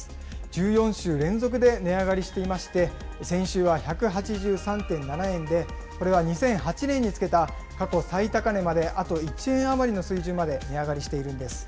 １４週連続で値上がりしていまして、先週は１８３．７円で、これは２００８年につけた過去最高値まであと１円余りの水準まで値上がりしているんです。